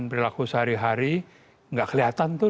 perilaku sehari hari nggak kelihatan tuh